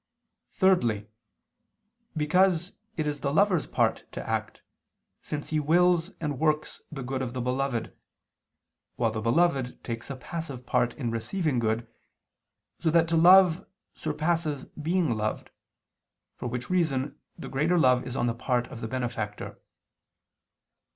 Thirdly, because is it the lover's part to act, since he wills and works the good of the beloved, while the beloved takes a passive part in receiving good, so that to love surpasses being loved, for which reason the greater love is on the part of the benefactor.